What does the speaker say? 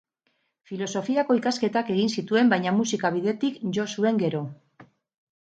Filosofiako ikasketak egin zituen baina musika bidetik jo zuen gero.